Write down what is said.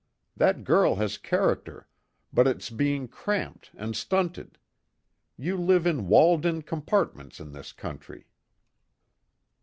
That girl has character, but it's being cramped and stunted. You live in walled in compartments in this country."